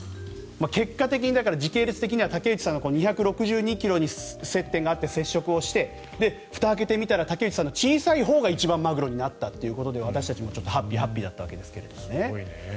結果的に時系列的には竹内さんが２６２ｋｇに接点があって接触をしてふたを開けてみたら竹内さんの小さいほうが一番マグロだったということで私たちもハッピーハッピーだったわけですけれどもね。